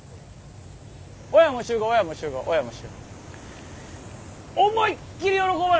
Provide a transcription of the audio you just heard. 親も集合親も集合親も集合。